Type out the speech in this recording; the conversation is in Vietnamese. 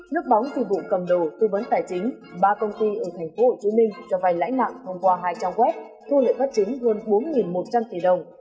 nước bóng dịch vụ cầm đồ tư vấn tài chính ba công ty ở tp hcm cho vai lãi nặng thông qua hai trang web thu lợi bắt chính hơn bốn một trăm linh tỷ đồng